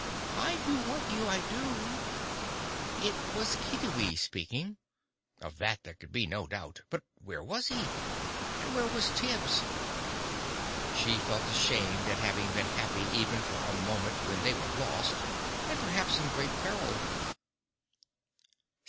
I do want you, I do!" It was Kiddiwee speaking. Of that there could be no doubt. But where was he? And where was Tibbs? She felt ashamed at having been happy even for a moment, when they were lost, and perhaps in great peril.